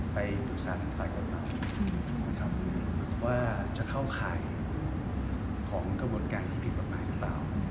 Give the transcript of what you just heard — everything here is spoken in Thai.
ไปดูซ่าฝ่ายกดต่อว่าจะเข้าไขของกระบวนการที่ผิดบางหรือเปล่า